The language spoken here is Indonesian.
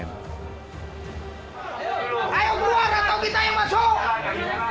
ayo keluar atau kita yang masuk